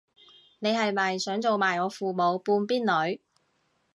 你係咪想做埋我父母半邊女